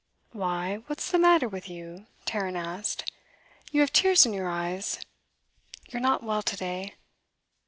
'Why, what's the matter with you?' Tarrant asked. 'You have tears in your eyes. You're not well to day.